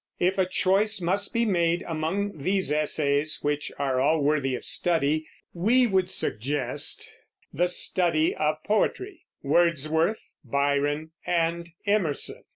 If a choice must be made among these essays, which are all worthy of study, we would suggest "The Study of Poetry," "Wordsworth," "Byron," and "Emerson."